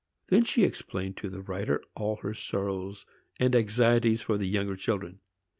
She then explained to the writer all her sorrows and anxieties for the younger children.